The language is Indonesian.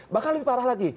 bakal lebih parah lagi